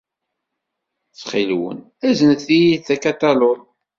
Ttxil-wen, aznet-iyi-d akaṭalug.